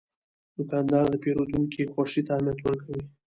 دوکاندار د پیرودونکي خوښي ته اهمیت ورکوي.